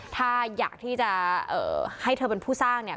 ถ้าอยากที่จะให้เธอเป็นผู้สร้างเนี่ย